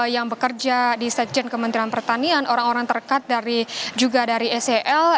yang bekerja di sekjen kementerian pertanian orang orang terdekat dari juga dari sel